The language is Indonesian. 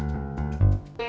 nih si tati